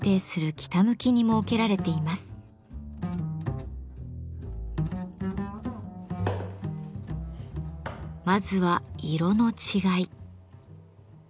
まずは色の違い。